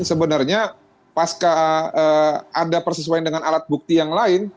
sebenarnya pas ada persesuaian dengan alat bukti yang lain